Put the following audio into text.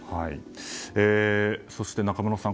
そして、中室さん